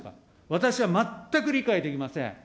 私は全く理解できません。